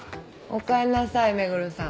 おかえりなさい目黒さん。